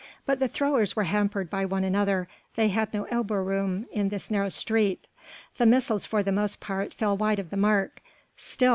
But the throwers were hampered by one another: they had no elbow room in this narrow street. The missiles for the most part fell wide of the mark. Still!